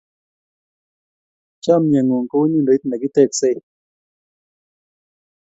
Chomye ng'ung' kou nyudoit ne kiteksei.